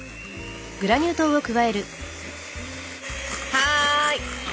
はい。